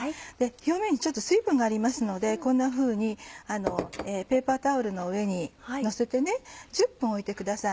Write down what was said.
表面にちょっと水分がありますのでこんなふうにペーパータオルの上にのせて１０分置いてください。